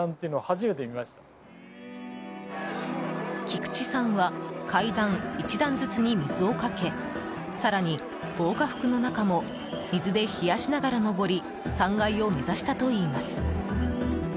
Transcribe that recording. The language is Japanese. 菊池さんは階段１段ずつに水をかけ更に、防火服の中も水で冷やしながら上り３階を目指したといいます。